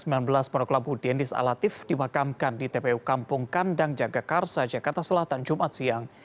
monoklapu dienis alatif dimakamkan di tpu kampung kandang jagakarsa jakarta selatan jumat siang